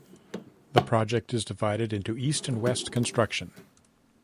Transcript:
The project is divided into east and west construction.